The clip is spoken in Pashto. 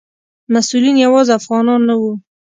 مسؤلین یوازې افغانان نه وو.